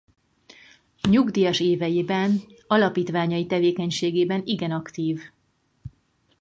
Nyugdíjas éveiben alapítványai tevékenységében igen aktív.